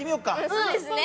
そうですね。